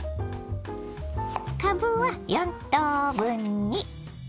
かぶは４等分に。